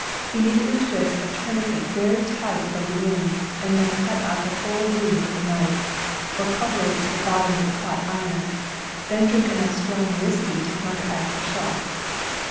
Immediately twist a tourniquet P ,., very tight above the wound, and then cut out the whole wound with a knife, or cauterize it to the bottom with a hot iron; then drink enough whiskey to counteract the shock.